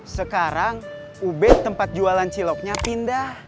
sekarang ubed tempat jualan ciloknya pindah